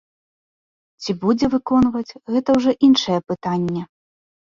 Ці будзе выконваць, гэта ўжо іншае пытанне.